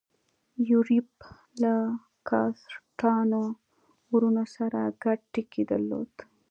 یوریب له کاسټانو وروڼو سره ګډ ټکی درلود.